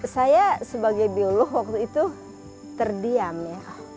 saya sebagai biolog waktu itu terdiam ya